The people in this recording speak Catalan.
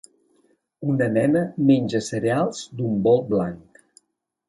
Una nena menja cereals d'un bol blanc.